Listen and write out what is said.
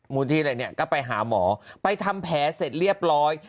มูลที่อะไรเนี่ยก็ไปหาหมอไปทำแผลเสร็จเรียบร้อย